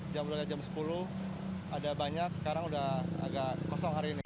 jam mulai jam sepuluh ada banyak sekarang udah agak kosong hari ini